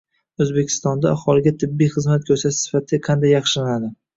O‘zbekistonda aholiga tibbiy xizmat ko‘rsatish sifati qanday yaxshilanadi?